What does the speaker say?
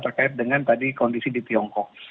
terkait dengan tadi kondisi di tiongkok